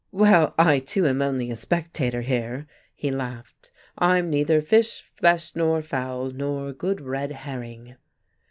"Well, I too am only a spectator here," he laughed. "I'm neither fish, flesh nor fowl, nor good red herring."